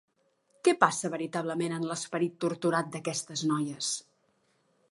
Què passa veritablement en l'esperit torturat d'aquestes noies?